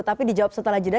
tapi dijawab setelah jeda